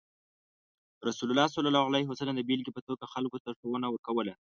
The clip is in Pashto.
رسول الله صلى الله عليه وسلم د بیلګې په توګه خلکو ته ښوونه ورکوله.